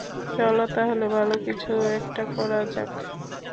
চলো তাহলে ভাল কিছু একটা করা যাক।